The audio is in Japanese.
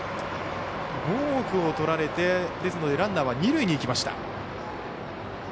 ボークをとられてランナーは二塁にいきました。